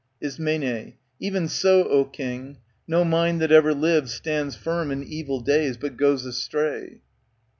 Ism, E'en so, O king ; no mind that ever lived Stands firm in evil days, but goes astray.